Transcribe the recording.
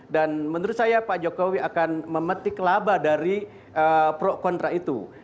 dan menurut saya pak jokowi akan memetik laba dari pro kontra itu